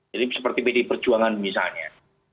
jadi seperti bd perjuangan misalnya